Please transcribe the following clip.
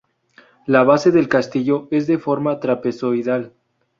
La base del castillo es de una forma trapezoidal.